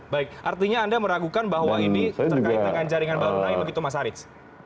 baik artinya anda meragukan bahwa ini terkait dengan jaringan baru naik begitu mas haris